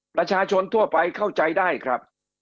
ประชาชนทั่วไปเข้าใจได้ครับ